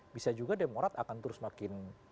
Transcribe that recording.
bisa juga demokrat akan terus makin